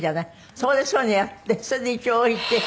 そこでそういうのやってそれで一応置いて。